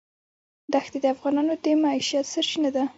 دښتې د افغانانو د معیشت سرچینه ده.